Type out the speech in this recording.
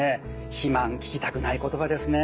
肥満聞きたくない言葉ですね。